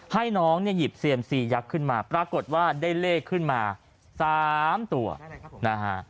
ให้น้องเนี่ยหยิบเซียมซียักษ์ขึ้นมาปรากฏว่าได้เลขขึ้นมา๓ตัวนะฮะ